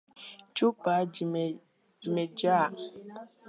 Chupa imejaa